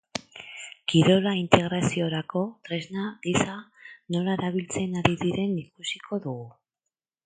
Kirola integraziorako tresna gisa nola erabiltzen ari diren ikusiko dugu.